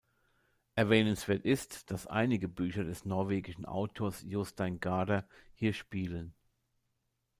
Erwähnenswert ist, dass einige Bücher des norwegischen Autors Jostein Gaarder hier spielen.